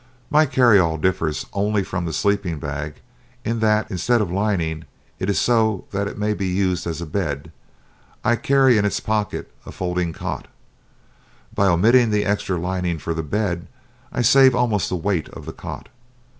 My carry all differs only from the sleeping bag in that, instead of lining it so that it may be used as a bed, I carry in its pocket a folding cot. By omitting the extra lining for the bed, I save almost the weight of the cot.